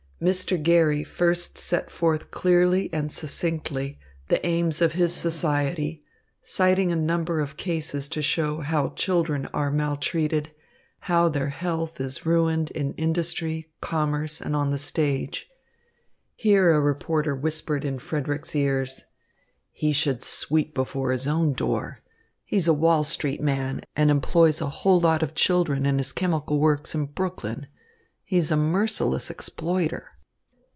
Mr. Garry first set forth clearly and succinctly the aims of his society, citing a number of cases to show how children are maltreated, how their health is ruined in industry, commerce and on the stage. Here a reporter whispered in Frederick's ears: "He should sweep before his own door. He's a Wall Street man and employs a whole lot of children in his chemical works in Brooklyn. He is a merciless exploiter."